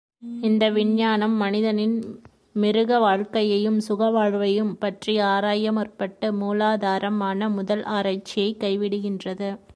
இந்த விஞ்ஞானம் மனிதனின் மிருக வாழ்கையையும், சுக வாழ்வையும் பற்றி ஆராய முற்பட்டு, மூலாதாரமான முதல் ஆராய்ச்சியைக் கைவிடுகின்றது.